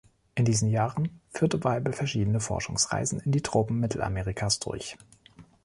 In diesen Jahren führte Waibel verschiedene Forschungsreisen in die Tropen Mittelamerikas durch.